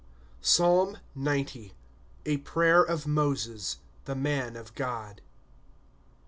PSALM XC. A Prayer of Moaes, the Man of God.